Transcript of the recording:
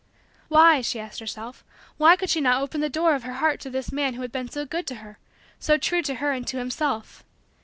Why, she asked herself, why could she not open the door of her heart to this man who had been so good to her so true to her and to himself?